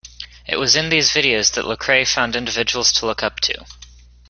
It was in these videos that Lecrae found individuals to look up to.